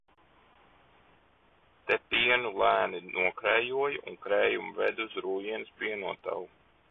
Te pienu lēni nokrejoja un krējumu veda uz Rūjienas pienotavu.